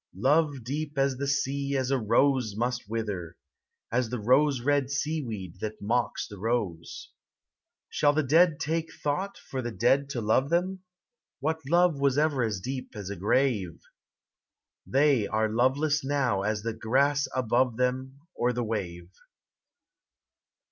Love deep as the sea as a rose must wither, As the rose red seaweed that mocks the rose. Shall the dead take thought for the dead to love them ? What love was ever as deep as a grave? THE SEA. 391 They are loveless uow as the grass above them Or the wave.